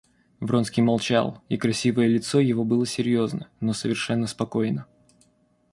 Вронский молчал, и красивое лицо его было серьезно, но совершенно спокойно.